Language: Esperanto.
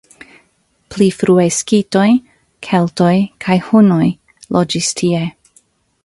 Pli frue skitoj, keltoj kaj hunoj loĝis tie.